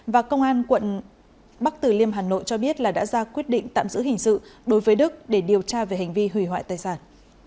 và công an quận bắc tử liêm hà nội cho biết là đã ra quyết định tạm giữ hình sự đối với đức để điều tra về hành vi hủy hoại tài sản